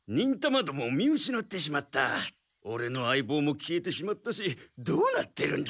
オレの相ぼうも消えてしまったしどうなってるんだ？